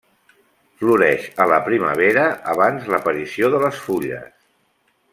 Floreix a la primavera, abans l'aparició de les fulles.